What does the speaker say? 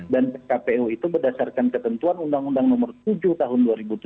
dan kpu itu berdasarkan ketentuan undang undang no tujuh tahun dua ribu tujuh belas